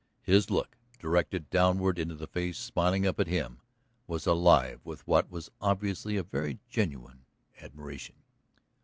His look, directed downward into the face smiling up at him, was alive with what was obviously a very genuine admiration.